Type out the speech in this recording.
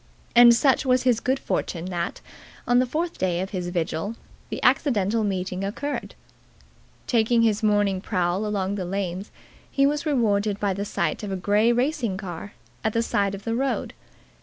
And such was his good fortune that, on the fourth day of his vigil, the accidental meeting occurred. Taking his morning prowl along the lanes, he was rewarded by the sight of a grey racing car at the side of the road.